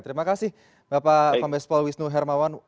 terima kasih bapak pembes pol wisnu hermawan